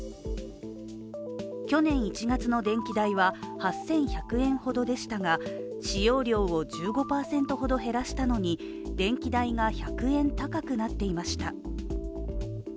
去年１月の電気代は８１００円ほどでしたが使用量を１５％ほど減らしたのに電気代が１００円高くなっていました。